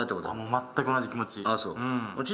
全く同じ気持ち。